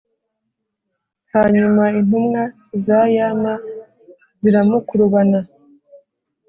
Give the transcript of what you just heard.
hanyuma intumwa za yama ziramukurubana